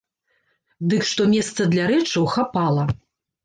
Дык што месца для рэчаў хапала.